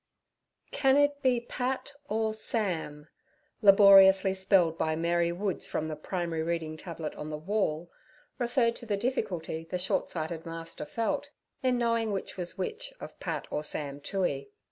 'Can it be Pat or Sam?' laboriously spelled by Mary Woods from the primary reading tablet on the wall, referred to the difficulty the short sighted master felt in knowing which was which of Pat or Sam Toohey.